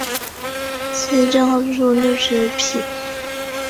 赐郑璩素六十匹。